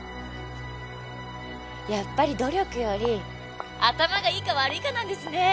やっぱり努力より頭がいいか悪いかなんですね。